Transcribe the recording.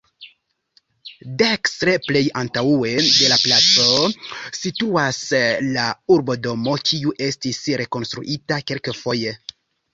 Dekstre plej antaŭe de la placo situas la Urbodomo, kiu estis rekonstruita kelkfoje.